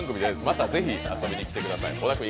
またぜひ遊びに来てください。